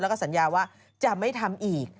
แล้วก็สัญญาว่าจะไม่ทำอีก